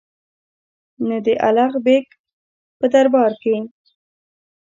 نه د الغ بېګ په دربار کې.